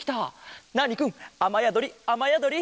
ナーニくんあまやどりあまやどり。